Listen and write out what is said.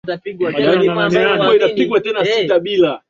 matumizi ya istilahi matumizi ya dawa za kulevya na uzoevu